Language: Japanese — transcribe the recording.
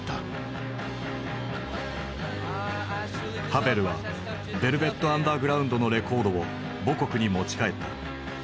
ハヴェルはヴェルヴェット・アンダーグラウンドのレコードを母国に持ち帰った。